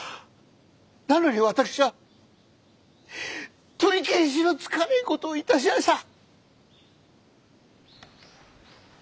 なのに私は取り返しのつかねえ事を致しやした。